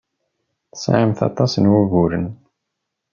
Tesɛamt aṭas n wuguren.